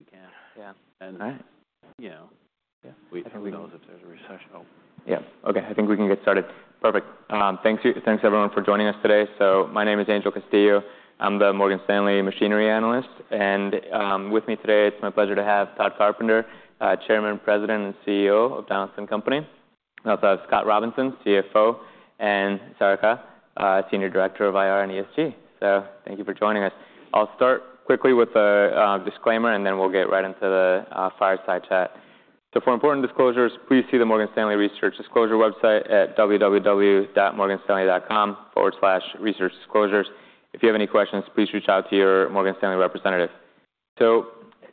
we can. Yeah. And, you know- Yeah. We know that there's a recession. Yeah. Okay, I think we can get started. Perfect. Thanks everyone for joining us today. So my name is Angel Castillo. I'm the Morgan Stanley Machinery Analyst, and with me today, it's my pleasure to have Todd Carpenter, Chairman, President, and CEO of Donaldson Company. Also, Scott Robinson, CFO, and Sarika Dhadwal, Senior Director of IR and ESG. So thank you for joining us. I'll start quickly with a disclaimer, and then we'll get right into the fireside chat. So for important disclosures, please see the Morgan Stanley Research Disclosure website at www.morganstanley.com/researchdisclosures. If you have any questions, please reach out to your Morgan Stanley representative. So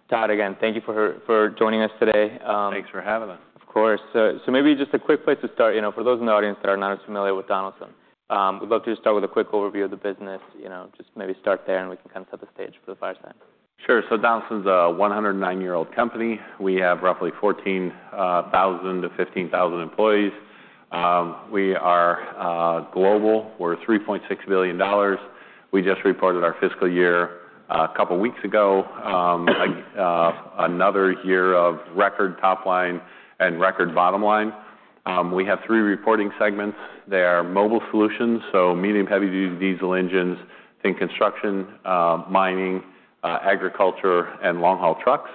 Todd, again, thank you for joining us today. Thanks for having us. Of course. So, maybe just a quick place to start, you know, for those in the audience that are not as familiar with Donaldson, we'd love to just start with a quick overview of the business. You know, just maybe start there, and we can kind of set the stage for the fireside. Sure. So Donaldson's a 109-year-old company. We have roughly 14,000 to 15,000 employees. We are global. We're $3.6 billion. We just reported our fiscal year a couple of weeks ago. Another year of record top line and record bottom line. We have 3 reporting segments. They are Mobile Solutions, so medium, heavy-duty diesel engines in construction, mining, agriculture, and long-haul trucks.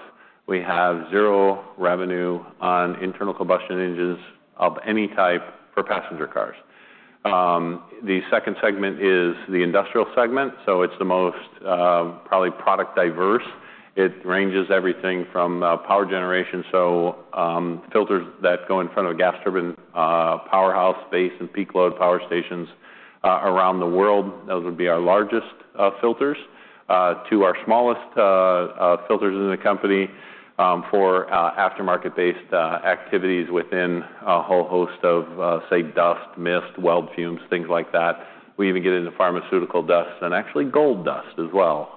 We have zero revenue on internal combustion engines of any type for passenger cars. The second segment is the industrial segment, so it's the most probably product diverse. It ranges everything from power generation, so filters that go in front of a gas turbine, powerhouse base, and peak load power stations around the world. Those would be our largest filters. To our smallest filters in the company, for aftermarket-based activities within a whole host of, say, dust, mist, weld fumes, things like that. We even get into pharmaceutical dust and actually gold dust as well,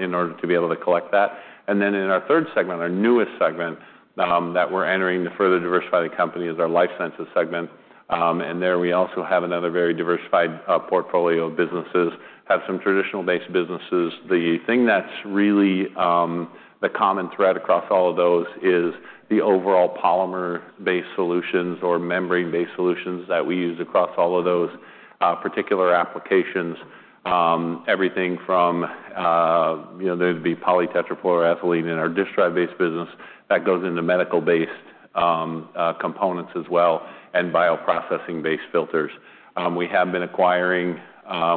in order to be able to collect that. And then in our third segment, our newest segment, that we're entering to further diversify the company, is our Life Sciences segment. And there we also have another very diversified portfolio of businesses, have some traditional-based businesses. The thing that's really the common thread across all of those is the overall polymer-based solutions or membrane-based solutions that we use across all of those particular applications. Everything from, you know, there'd be polytetrafluoroethylene in our disk drive-based business that goes into medical-based components as well, and bioprocessing-based filters. We have been acquiring.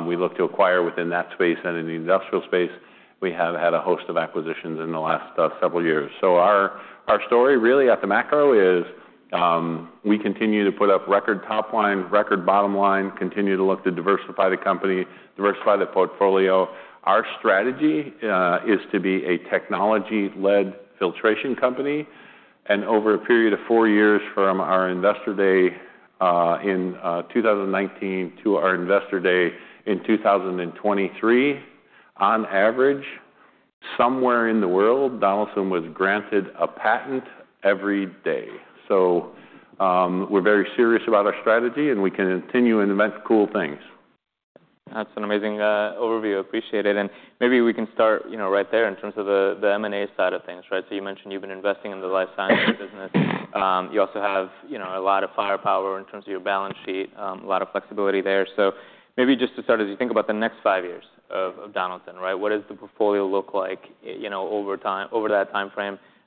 We look to acquire within that space and in the industrial space. We have had a host of acquisitions in the last several years. So our story really at the macro is, we continue to put up record top line, record bottom line, continue to look to diversify the company, diversify the portfolio. Our strategy is to be a technology-led filtration company, and over a period of four years, from our Investor Day in two thousand and nineteen to our Investor Day in two thousand and twenty-three, on average, somewhere in the world, Donaldson was granted a patent every day. So, we're very serious about our strategy, and we can continue and invent cool things. That's an amazing overview. Appreciate it. And maybe we can start, you know, right there in terms of the M&A side of things, right? So you mentioned you've been investing in the Life Sciences business. You also have, you know, a lot of firepower in terms of your balance sheet, a lot of flexibility there. So maybe just to start, as you think about the next five years of Donaldson, right, what does the portfolio look like, you know, over that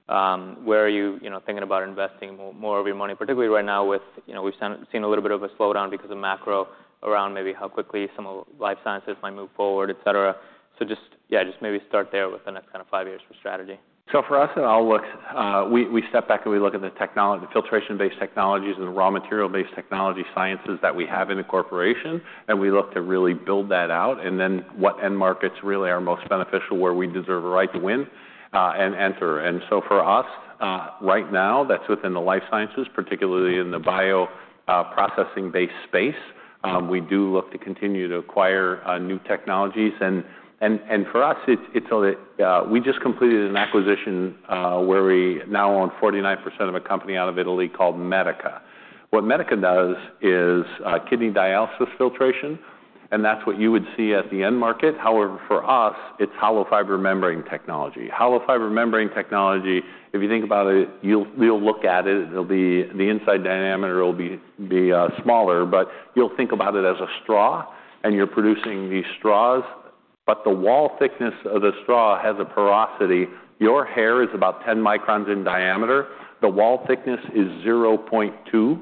timeframe? Where are you, you know, thinking about investing more of your money, particularly right now with, you know, we've seen a little bit of a slowdown because of macro around maybe how quickly some of Life Sciences might move forward, et cetera. So just... Yeah, just maybe start there with the next kind of five years for strategy. So for us, it all looks. We step back, and we look at the technology - the filtration-based technologies and the raw material-based technology sciences that we have in the corporation, and we look to really build that out, and then what end markets really are most beneficial, where we deserve a right to win, and enter. And so for us, right now, that's within the life sciences, particularly in the bioprocessing-based space. We do look to continue to acquire new technologies. And for us, it's we just completed an acquisition, where we now own 49% of a company out of Italy called Medica. What Medica does is kidney dialysis filtration, and that's what you would see at the end market. However, for us, it's hollow fiber membrane technology. Hollow fiber membrane technology, if you think about it, you'll look at it, it'll be. The inside diameter will be smaller, but you'll think about it as a straw, and you're producing these straws, but the wall thickness of the straw has a porosity. Your hair is about ten microns in diameter. The wall thickness is zero point two,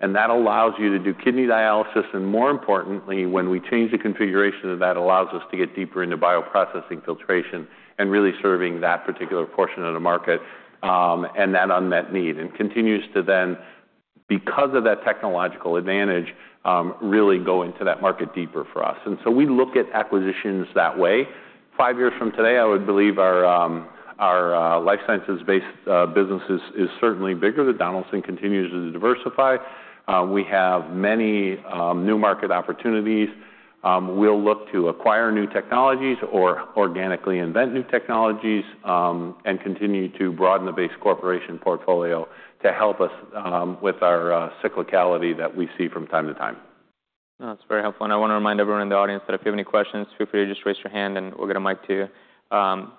and that allows you to do kidney dialysis, and more importantly, when we change the configuration, then that allows us to get deeper into bioprocessing filtration and really serving that particular portion of the market, and that unmet need, and continues to then, because of that technological advantage, really go into that market deeper for us, and so we look at acquisitions that way. Five years from today, I would believe our Life Sciences-Based business is certainly bigger. That Donaldson continues to diversify. We have many new market opportunities. We'll look to acquire new technologies or organically invent new technologies, and continue to broaden the base corporation portfolio to help us with our cyclicality that we see from time to time.... No, that's very helpful, and I wanna remind everyone in the audience that if you have any questions, feel free to just raise your hand, and we'll get a mic to you.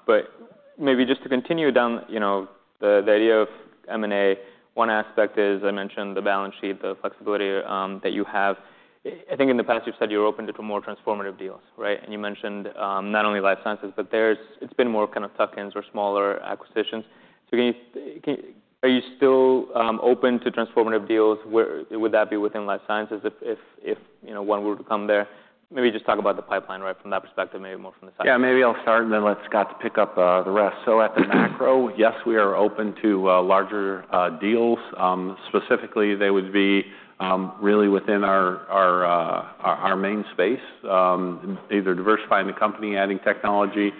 But maybe just to continue down, you know, the idea of M&A, one aspect is, I mentioned the balance sheet, the flexibility, that you have. I think in the past, you've said you're open to more transformative deals, right? And you mentioned, not only life sciences, but it's been more kind of tuck-ins or smaller acquisitions. So are you still open to transformative deals? Where would that be within life sciences if you know, one were to come there? Maybe just talk about the pipeline, right, from that perspective, maybe more from the science. Yeah, maybe I'll start, and then let Scott pick up the rest. So at the macro, yes, we are open to larger deals. Specifically, they would be really within our main space, either diversifying the company, adding technology.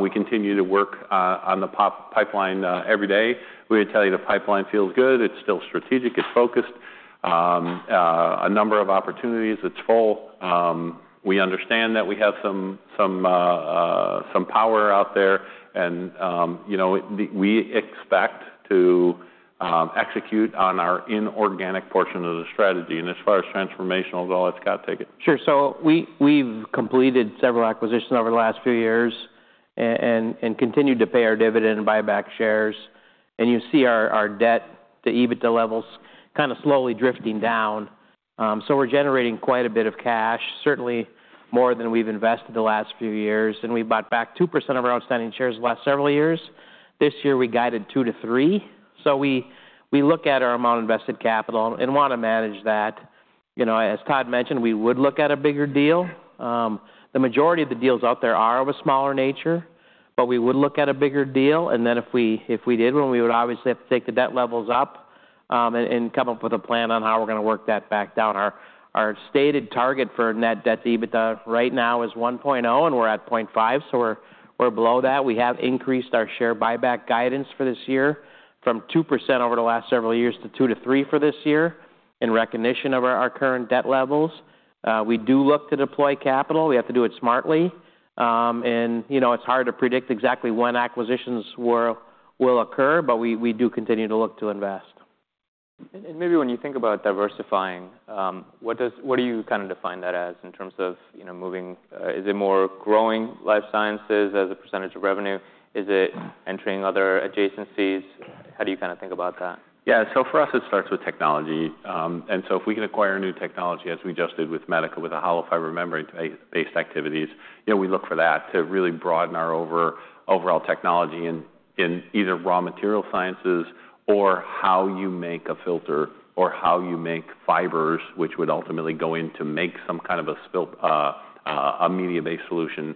We continue to work on the pipeline every day. We would tell you the pipeline feels good. It's still strategic, it's focused. A number of opportunities, it's full. We understand that we have some power out there, and you know, it we expect to execute on our inorganic portion of the strategy. And as far as transformational goes, I'll let Scott take it. Sure. So we've completed several acquisitions over the last few years and continued to pay our dividend and buy back shares, and you see our debt, the EBITDA levels, kind of slowly drifting down. So we're generating quite a bit of cash, certainly more than we've invested the last few years, and we bought back 2% of our outstanding shares the last several years. This year, we guided 2%-3%. So we look at our amount of invested capital and wanna manage that. You know, as Todd mentioned, we would look at a bigger deal. The majority of the deals out there are of a smaller nature, but we would look at a bigger deal, and then if we did one, we would obviously have to take the debt levels up and come up with a plan on how we're gonna work that back down. Our stated target for net debt-to-EBITDA right now is 1.0, and we're at 0.5, so we're below that. We have increased our share buyback guidance for this year from 2% over the last several years to 2-3% for this year in recognition of our current debt levels. We do look to deploy capital. We have to do it smartly. And you know, it's hard to predict exactly when acquisitions will occur, but we do continue to look to invest. Maybe when you think about diversifying, what do you kind of define that as in terms of, you know, moving? Is it more growing life sciences as a percentage of revenue? Is it entering other adjacencies? How do you kind of think about that? Yeah, so for us, it starts with technology. And so if we can acquire new technology, as we just did with Medica, with the hollow fiber membrane-based activities, you know, we look for that to really broaden our overall technology in either raw material sciences or how you make a filter or how you make fibers, which would ultimately go in to make some kind of a media-based solution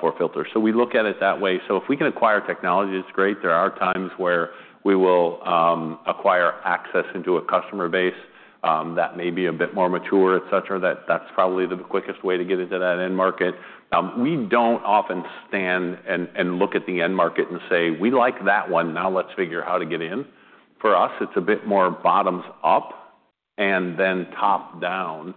for filters. So we look at it that way. So if we can acquire technology, it's great. There are times where we will acquire access into a customer base that may be a bit more mature, et cetera. That's probably the quickest way to get into that end market. We don't often stand and look at the end market and say, "We like that one. Now let's figure how to get in." For us, it's a bit more bottoms up and then top down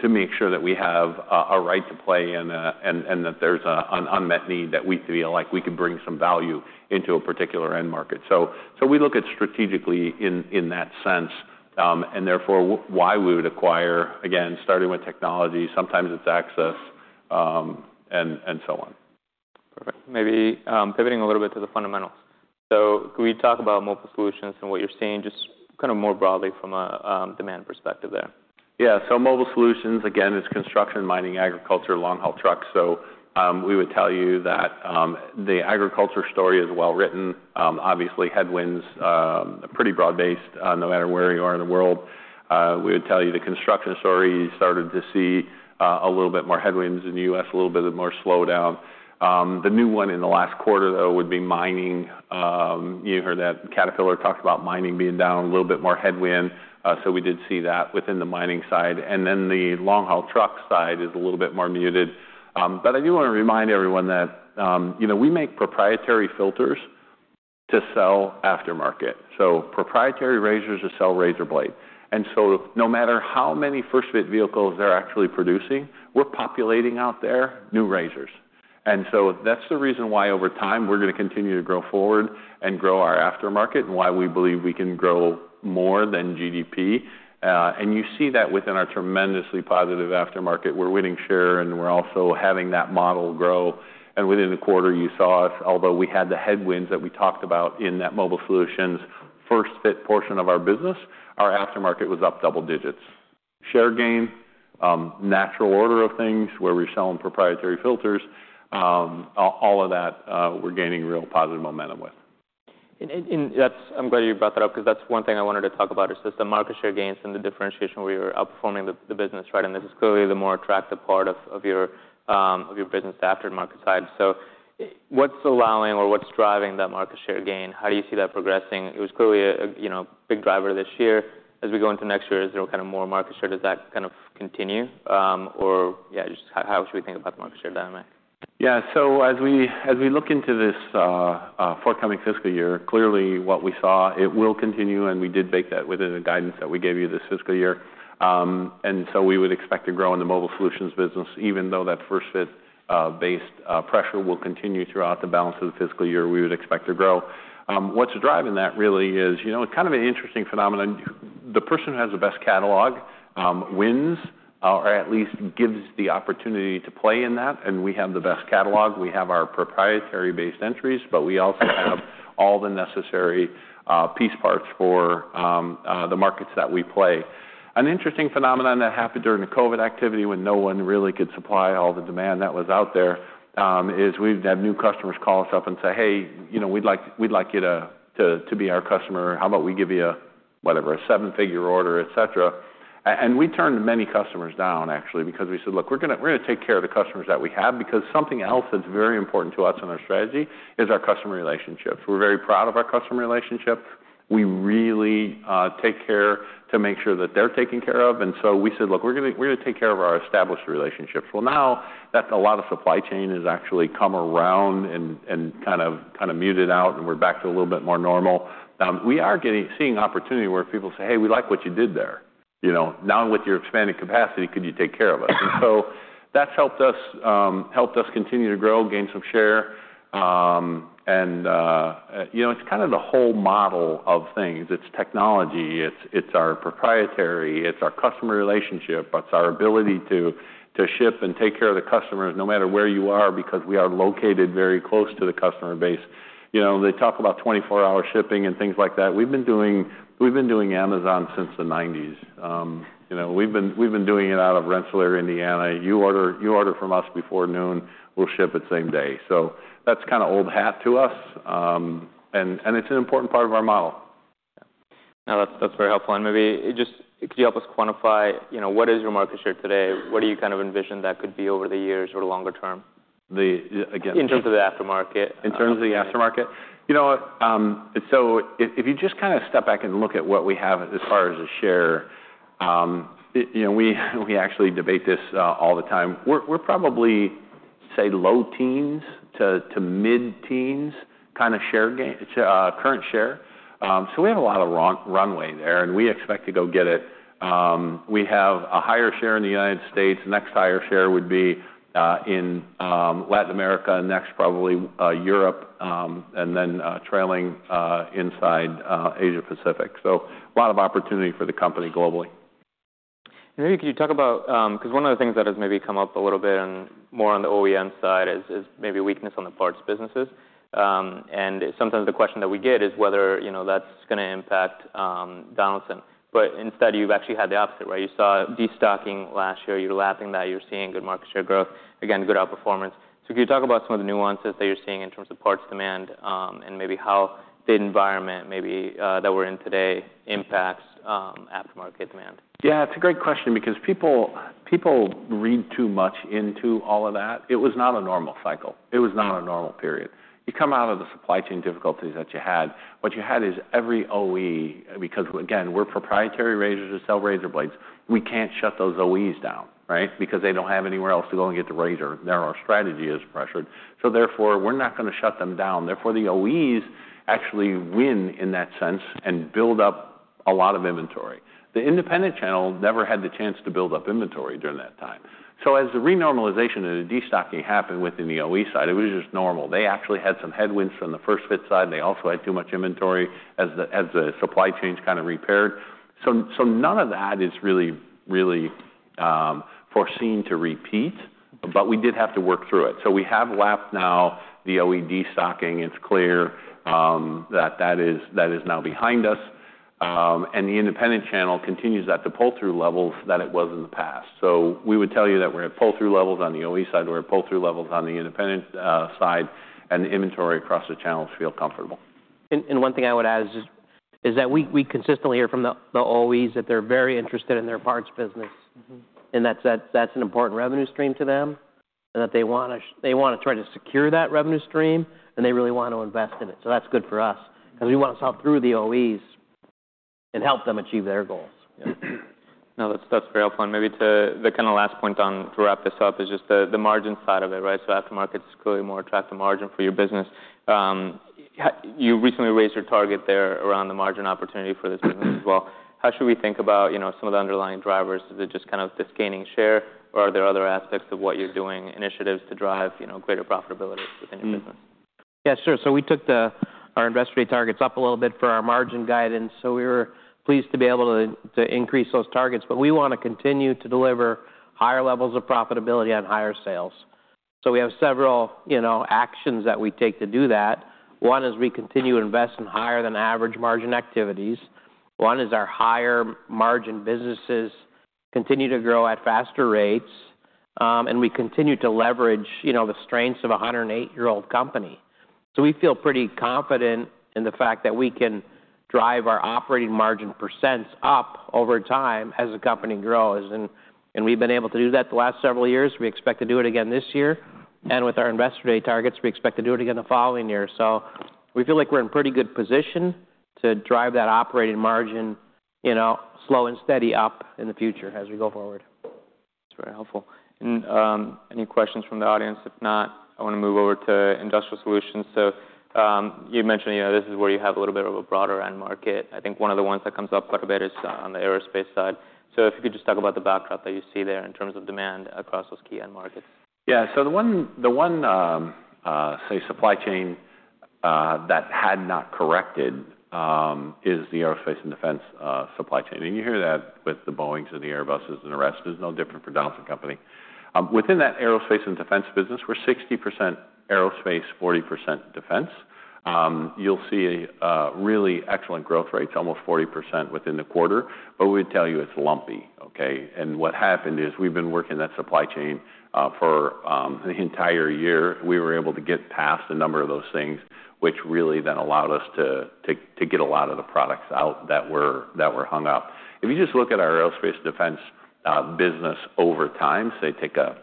to make sure that we have a right to play and that there's an unmet need that we feel like we could bring some value into a particular end market. So we look at strategically in that sense and therefore why we would acquire, again, starting with technology, sometimes it's access and so on. Perfect. Maybe, pivoting a little bit to the fundamentals. So can we talk about Mobile Solutions and what you're seeing, just kind of more broadly from a demand perspective there? Yeah, so Mobile Solutions, again, is construction, mining, agriculture, long-haul trucks. So, we would tell you that the agriculture story is well-written. Obviously, headwinds are pretty broad-based, no matter where you are in the world. We would tell you the construction story started to see a little bit more headwinds in the U.S., a little bit of more slowdown. The new one in the last quarter, though, would be mining. You heard that Caterpillar talked about mining being down a little bit more headwind, so we did see that within the mining side. And then the long-haul truck side is a little bit more muted. But I do wanna remind everyone that, you know, we make proprietary filters to sell aftermarket, so proprietary razors to sell razor blades. And so no matter how many first-fit vehicles they're actually producing, we're populating out there new razors. And so that's the reason why, over time, we're gonna continue to grow forward and grow our aftermarket and why we believe we can grow more than GDP. And you see that within our tremendously positive aftermarket. We're winning share, and we're also having that model grow. And within the quarter, you saw us, although we had the headwinds that we talked about in that Mobile Solutions first-fit portion of our business, our aftermarket was up double digits. Share gain, natural order of things, where we're selling proprietary filters, all of that, we're gaining real positive momentum with. I'm glad you brought that up, 'cause that's one thing I wanted to talk about, is just the market share gains and the differentiation where you're outperforming the business, right? And this is clearly the more attractive part of your business, the aftermarket side. So what's allowing or what's driving that market share gain? How do you see that progressing? It was clearly, you know, a big driver this year. As we go into next year, is there kind of more market share? Does that kind of continue, or... Yeah, just how should we think about the market share dynamic? Yeah, so as we look into this forthcoming fiscal year, clearly what we saw will continue, and we did bake that within the guidance that we gave you this fiscal year. So we would expect to grow in the Mobile Solutions business, even though that First-fit base pressure will continue throughout the balance of the fiscal year, we would expect to grow. What's driving that really is, you know, kind of an interesting phenomenon. The person who has the best catalog wins, or at least gives the opportunity to play in that, and we have the best catalog. We have our proprietary-based entries, but we also have all the necessary piece parts for the markets that we play. An interesting phenomenon that happened during the COVID activity, when no one really could supply all the demand that was out there, is we've had new customers call us up and say, "Hey, you know, we'd like you to be our customer. How about we give you a," whatever, "a seven-figure order," et cetera. We turned many customers down, actually, because we said: Look, we're gonna take care of the customers that we have, because something else that's very important to us in our strategy is our customer relationships. We're very proud of our customer relationship. We really take care to make sure that they're taken care of. And so we said, "Look, we're gonna take care of our established relationships." Well, now that a lot of supply chain has actually come around and kind of muted out, and we're back to a little bit more normal, we are seeing opportunity where people say, "Hey, we like what you did there. You know, now with your expanded capacity, could you take care of us?" And so that's helped us continue to grow, gain some share. And you know, it's kind of the whole model of things. It's technology, it's our proprietary, it's our customer relationship, it's our ability to ship and take care of the customers no matter where you are, because we are located very close to the customer base. You know, they talk about twenty-four-hour shipping and things like that. We've been doing Amazon since the '90s. You know, we've been doing it out of Rensselaer, Indiana. You order from us before noon, we'll ship it same day, so that's kind of old hat to us, and it's an important part of our model. Now, that's, that's very helpful. And maybe just, could you help us quantify, you know, what is your market share today? What do you kind of envision that could be over the years or longer term? The, again- In terms of the aftermarket. In terms of the aftermarket? You know, so if you just kind of step back and look at what we have as far as the share, it. You know, we actually debate this all the time. We're probably, say, low teens to mid-teens kind of share gain, current share. So we have a lot of runway there, and we expect to go get it. We have a higher share in the United States. Next higher share would be in Latin America, next, probably Europe, and then trailing inside Asia Pacific. So a lot of opportunity for the company globally. And maybe can you talk about... because one of the things that has maybe come up a little bit and more on the OEM side is maybe weakness on the parts businesses. And sometimes the question that we get is whether, you know, that's gonna impact Donaldson. But instead, you've actually had the opposite, where you saw destocking last year, you're lapping that, you're seeing good market share growth, again, good outperformance. So can you talk about some of the nuances that you're seeing in terms of parts demand, and maybe how the environment maybe that we're in today impacts aftermarket demand? Yeah, it's a great question because people read too much into all of that. It was not a normal cycle. It was not a normal period. You come out of the supply chain difficulties that you had. What you had is every OE, because, again, we're proprietary razors to sell razor blades, we can't shut those OEs down, right? Because they don't have anywhere else to go and get the razor. Now our strategy is pressured, so therefore, we're not gonna shut them down. Therefore, the OEs actually win in that sense and build up a lot of inventory. The independent channel never had the chance to build up inventory during that time. So as the normalization and the destocking happened within the OE side, it was just normal. They actually had some headwinds from the first fit side, and they also had too much inventory as the supply chains kind of repaired. So none of that is really foreseen to repeat, but we did have to work through it. So we have lapped now the OE destocking. It's clear that that is now behind us, and the independent channel continues at the pull-through levels that it was in the past. So we would tell you that we're at pull-through levels on the OE side, we're at pull-through levels on the independent side, and the inventory across the channels feel comfortable. One thing I would add is just that we consistently hear from the OEs that they're very interested in their parts business. That's an important revenue stream to them, and that they want to try to secure that revenue stream, and they really want to invest in it. So that's good for us because we want to sell through the OEs and help them achieve their goals. Now, that's very helpful. And maybe to the kind of last point on, to wrap this up, is just the margin side of it, right? So aftermarket is clearly a more attractive margin for your business. You recently raised your target there around the margin opportunity for this business as well. How should we think about, you know, some of the underlying drivers? Is it just kind of this gaining share, or are there other aspects of what you're doing, initiatives to drive, you know, greater profitability within your business? Yeah, sure. So we took our Investor Day targets up a little bit for our margin guidance, so we were pleased to be able to increase those targets. But we want to continue to deliver higher levels of profitability on higher sales. So we have several, you know, actions that we take to do that. One is we continue to invest in higher-than-average margin activities. One is our higher-margin businesses continue to grow at faster rates, and we continue to leverage, you know, the strengths of a hundred-and-eight-year-old company. So we feel pretty confident in the fact that we can drive our operating margin % up over time as the company grows. And we've been able to do that the last several years. We expect to do it again this year. And with our Investor Day targets, we expect to do it again the following year. So we feel like we're in pretty good position to drive that operating margin, you know, slow and steady up in the future as we go forward. That's very helpful, and any questions from the audience? If not, I want to move over to Industrial Solutions, so you mentioned, you know, this is where you have a little bit of a broader end market. I think one of the ones that comes up quite a bit is on the aerospace side, so if you could just talk about the backdrop that you see there in terms of demand across those key end markets. Yeah. So the one supply chain that had not corrected is the aerospace and defense supply chain. And you hear that with the Boeings and the Airbuses and the rest. It's no different for Donaldson Company. Within that aerospace and defense business, we're 60% aerospace, 40% defense. You'll see really excellent growth rates, almost 40% within the quarter, but we'd tell you it's lumpy, okay? And what happened is we've been working that supply chain for the entire year. We were able to get past a number of those things, which really then allowed us to get a lot of the products out that were hung up. If you just look at our aerospace defense business over time, say, take a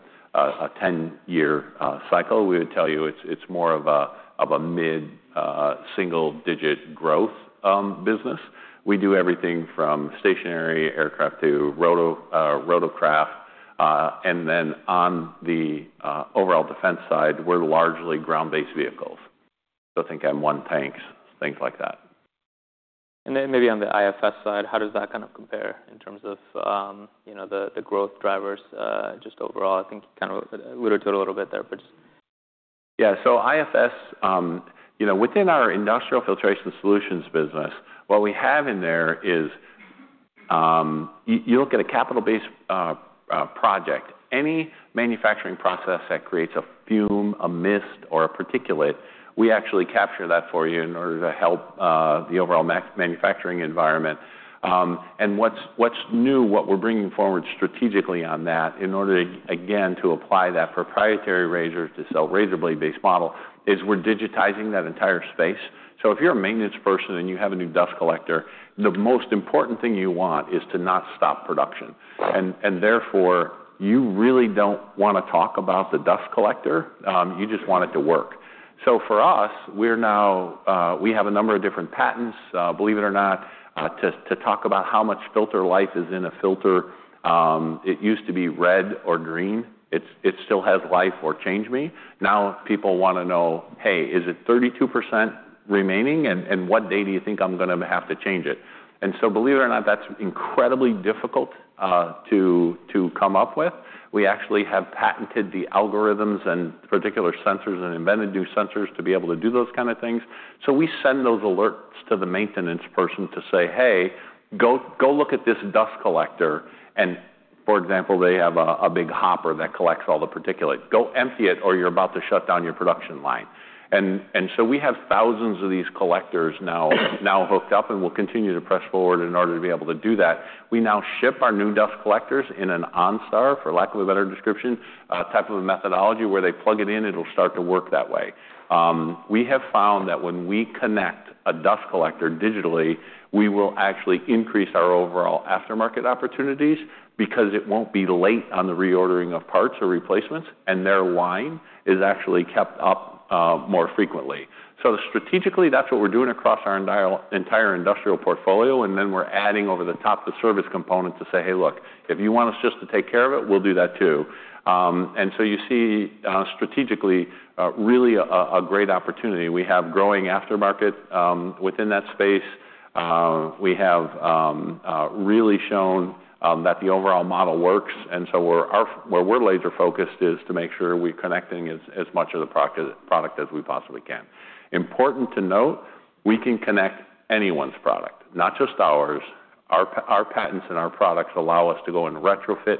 ten-year cycle, we would tell you it's more of a mid single-digit growth business. We do everything from stationary aircraft to rotorcraft, and then on the overall defense side, we're largely ground-based vehicles. So think M1 tanks, things like that. And then maybe on the IFS side, how does that kind of compare in terms of, you know, the growth drivers, just overall? I think you kind of alluded to it a little bit there, but just... Yeah. So IFS, you know, within our Industrial Filtration Solutions business, what we have in there is. You look at a capital-based project, any manufacturing process that creates a fume, a mist, or a particulate, we actually capture that for you in order to help the overall manufacturing environment. And what's new, what we're bringing forward strategically on that, in order to, again, to apply that proprietary razor-to-sell razor blade-based model, is we're digitizing that entire space. So if you're a maintenance person and you have a new dust collector, the most important thing you want is to not stop production. And therefore, you really don't wanna talk about the dust collector, you just want it to work. So for us, we're now. We have a number of different patents, believe it or not, to talk about how much filter life is in a filter. It used to be red or green. It's it still has life or change me. Now, people wanna know, "Hey, is it 32% remaining, and what day do you think I'm gonna have to change it?" And so believe it or not, that's incredibly difficult to come up with. We actually have patented the algorithms and particular sensors and invented new sensors to be able to do those kind of things. So we send those alerts to the maintenance person to say, "Hey, go look at this dust collector." And for example, they have a big hopper that collects all the particulates. Go empty it, or you're about to shut down your production line." And so we have thousands of these collectors now hooked up, and we'll continue to press forward in order to be able to do that. We now ship our new dust collectors in an OnStar, for lack of a better description, type of a methodology, where they plug it in, it'll start to work that way. We have found that when we connect a dust collector digitally, we will actually increase our overall aftermarket opportunities because it won't be late on the reordering of parts or replacements, and their line is actually kept up more frequently. So strategically, that's what we're doing across our entire industrial portfolio, and then we're adding over the top the service component to say, "Hey, look, if you want us just to take care of it, we'll do that, too." And so you see, strategically, really a great opportunity. We have growing aftermarket within that space. We have really shown that the overall model works, and so where we're laser-focused is to make sure we're connecting as much of the product as we possibly can. Important to note, we can connect anyone's product, not just ours. Our patents and our products allow us to go and retrofit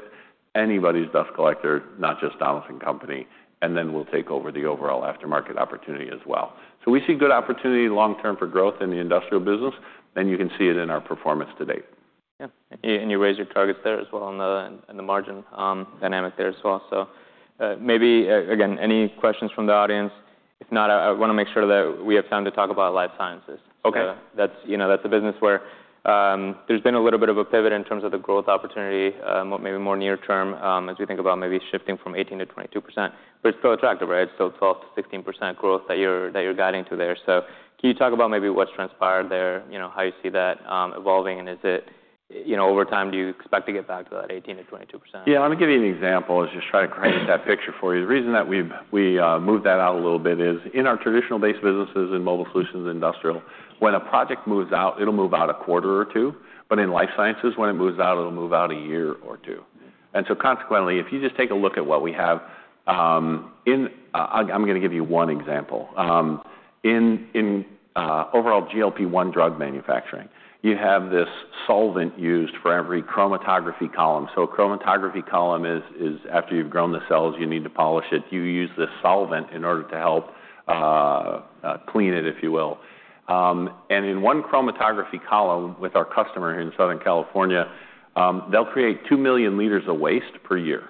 anybody's dust collector, not just Donaldson Company, and then we'll take over the overall aftermarket opportunity as well. So we see good opportunity long term for growth in the industrial business, and you can see it in our performance to date. Yeah, and you raise your targets there as well on the, in the margin, dynamic there as well. So, maybe, again, any questions from the audience? If not, I wanna make sure that we have time to talk about life sciences. Okay. That's, you know, that's a business where, there's been a little bit of a pivot in terms of the growth opportunity, maybe more near term, as we think about maybe shifting from 18-22%, but it's still attractive, right? So 12-16% growth that you're, that you're guiding to there. So can you talk about maybe what's transpired there, you know, how you see that, evolving, and is it... You know, over time, do you expect to get back to that 18-22%? Yeah, let me give you an example, just try to paint that picture for you. The reason that we've moved that out a little bit is in our traditional base businesses, in Mobile Solutions and Industrial, when a project moves out, it'll move out a quarter or two. But in Life Sciences, when it moves out, it'll move out a year or two. And so consequently, if you just take a look at what we have, I'm gonna give you one example. In overall GLP-1 drug manufacturing, you have this solvent used for every chromatography column. So a chromatography column is after you've grown the cells, you need to polish it. You use this solvent in order to help clean it, if you will. And in one chromatography column with our customer in Southern California, they'll create two million liters of waste per year.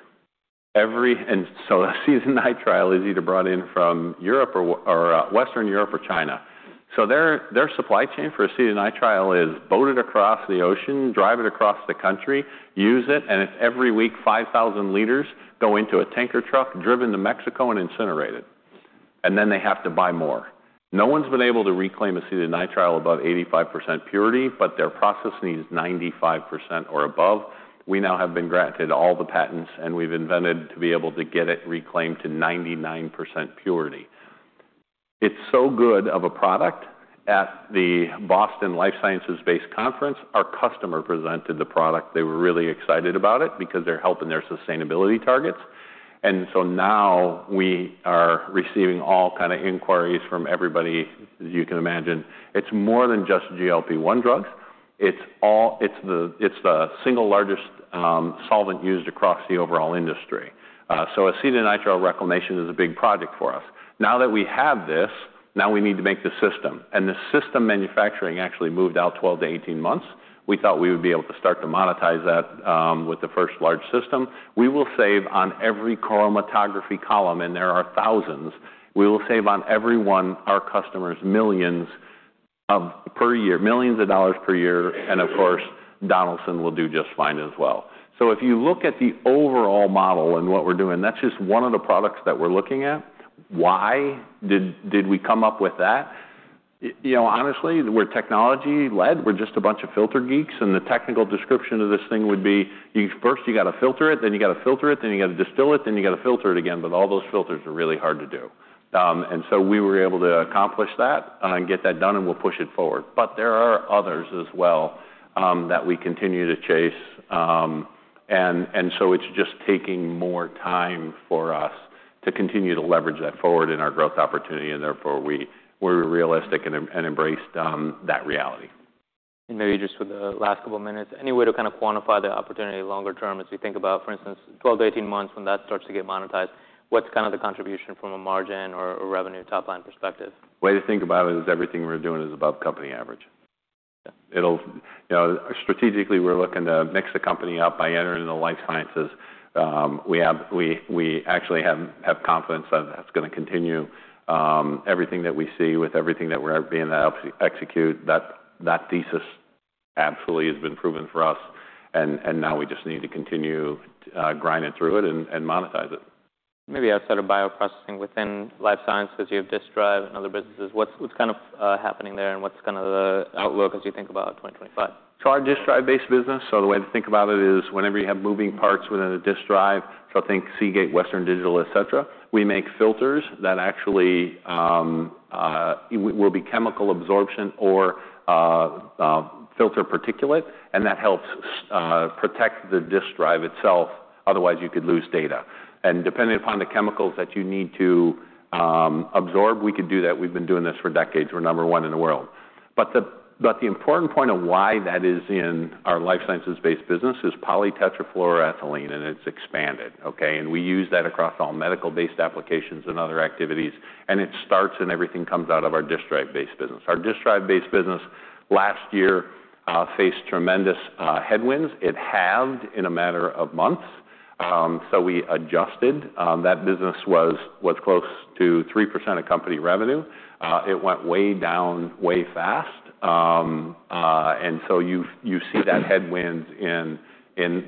And so acetonitrile is either brought in from Europe or Western Europe or China. So their supply chain for acetonitrile is boated across the ocean, drive it across the country, use it, and it's every week, five thousand liters go into a tanker truck, driven to Mexico, and incinerated, and then they have to buy more. No one's been able to reclaim acetonitrile above 85% purity, but their process needs 95% or above. We now have been granted all the patents, and we've invented to be able to get it reclaimed to 99% purity. It's so good of a product, at the Boston Life Sciences-based conference, our customer presented the product. They were really excited about it because they're helping their sustainability targets. And so now we are receiving all kind of inquiries from everybody, as you can imagine. It's more than just GLP-1 drugs. It's all. It's the single largest solvent used across the overall industry. So acetonitrile reclamation is a big project for us. Now that we have this, now we need to make the system, and the system manufacturing actually moved out 12-18 months. We thought we would be able to start to monetize that with the first large system. We will save on every chromatography column, and there are thousands. We will save on every one our customers millions of dollars per year, and of course, Donaldson will do just fine as well. So if you look at the overall model and what we're doing, that's just one of the products that we're looking at. Why did we come up with that? You know, honestly, we're technology-led. We're just a bunch of filter geeks, and the technical description of this thing would be, you first, you got to filter it, then you got to filter it, then you got to distill it, then you got to filter it again, but all those filters are really hard to do. And so we were able to accomplish that and get that done, and we'll push it forward. But there are others as well, that we continue to chase, and so it's just taking more time for us to continue to leverage that forward in our growth opportunity, and therefore, we're realistic and embrace that reality. And maybe just for the last couple of minutes, any way to kind of quantify the opportunity longer term, as you think about, for instance, 12-18 months, when that starts to get monetized, what's kind of the contribution from a margin or a revenue top-line perspective? Way to think about it is everything we're doing is above company average. Yeah. It'll. You know, strategically, we're looking to mix the company up by entering the Life Sciences. We actually have confidence that that's gonna continue. Everything that we see with everything that we're beginning to help execute, that thesis absolutely has been proven for us, and now we just need to continue grinding through it and monetize it. Maybe outside of Bioprocessing, within Life Sciences, you have disk drive and other businesses. What's kind of happening there, and what's kind of the outlook as you think about 2025? Our disk drive-based business, the way to think about it is whenever you have moving parts within a disk drive, so I think Seagate, Western Digital, et cetera, we make filters that actually will be chemical absorption or filter particulate, and that helps protect the disk drive itself. Otherwise, you could lose data. And depending upon the chemicals that you need to absorb, we could do that. We've been doing this for decades. We're number one in the world. But the important point of why that is in our life sciences-based business is polytetrafluoroethylene, and it's expanded, okay? And we use that across all medical-based applications and other activities, and it starts, and everything comes out of our disk drive-based business. Our disk drive-based business last year faced tremendous headwinds. It halved in a matter of months, so we adjusted. That business was close to 3% of company revenue. It went way down, way fast. And so you see that headwind in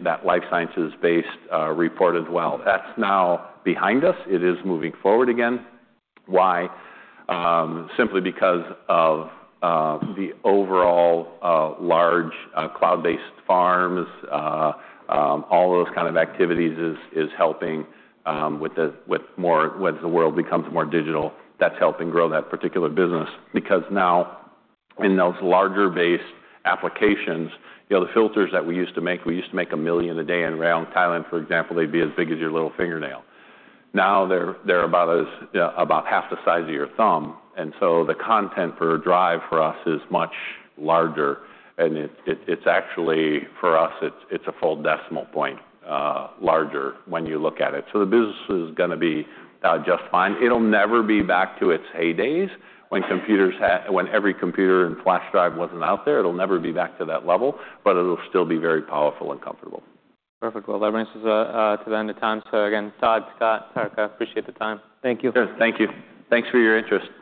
that life sciences-based report as well. That's now behind us. It is moving forward again. Why? Simply because of the overall large cloud-based farms all those kind of activities is helping with more as the world becomes more digital, that's helping grow that particular business. Because now, in those larger-based applications, you know, the filters that we used to make, we used to make a million a day in Rayong, Thailand, for example, they'd be as big as your little fingernail. Now, they're about half the size of your thumb, and so the content per drive for us is much larger, and it's actually... For us, it's a full decimal point larger when you look at it. So the business is gonna be just fine. It'll never be back to its heydays when every computer and flash drive wasn't out there. It'll never be back to that level, but it'll still be very powerful and comfortable. Perfect. Well, that brings us to the end of time. So again, Todd, Scott, Sarika, appreciate the time. Thank you. Thank you. Thanks for your interest.